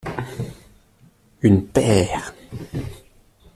Une paire.